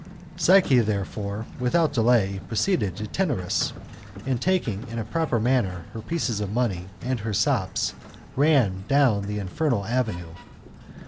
Psyche, therefore, without delay, proceeded to Tenarus, and taking in a proper manner her pieces of money and her sops, r^n down the infernal avenue.